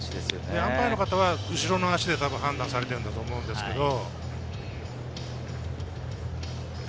アンパイアの方は後ろのほうの足で判断されていると思うんですけどね。